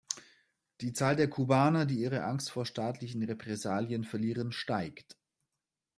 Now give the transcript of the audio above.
Die Zahl der Kubaner, die ihre Angst vor staatlichen Repressalien verlieren, steigt.